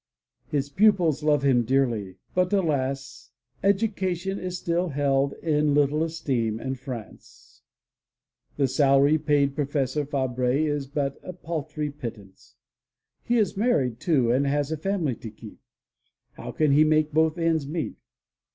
His pupils love him dearly, but alas! edu cation is still held in little esteem in France. lOI MY BOOK HOUSE The salary paid Professor Fabre is but a paltry pittance. He is married, too, and has a family to keep. How can he make both ends meet?